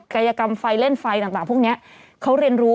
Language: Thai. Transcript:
กายกรรมไฟเล่นไฟต่างพวกนี้เขาเรียนรู้